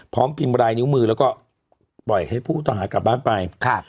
พร้อมพิมพ์บรายนิ้วมือแล้วก็ปล่อยให้ผู้ทหารกลับบ้านไปค่ะ